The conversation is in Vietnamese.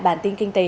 bản tin kinh tế